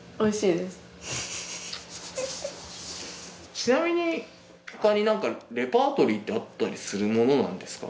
ちなみに他になんかレパートリーってあったりするものなんですか？